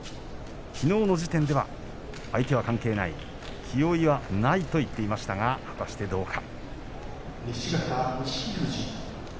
きのうの時点では相手は関係ない気負いはないと言っていましたが果たしてどうか。